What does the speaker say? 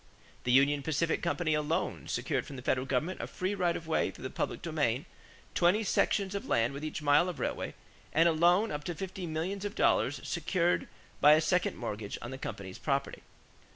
The Union Pacific Company alone secured from the federal government a free right of way through the public domain, twenty sections of land with each mile of railway, and a loan up to fifty millions of dollars secured by a second mortgage on the company's property.